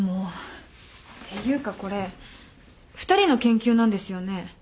っていうかこれ２人の研究なんですよね？